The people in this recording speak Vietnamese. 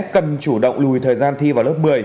cần chủ động lùi thời gian thi vào lớp một mươi